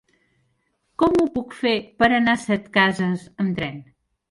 Com ho puc fer per anar a Setcases amb tren?